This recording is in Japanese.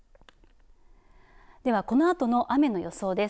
ではこのあとの雨の予想です。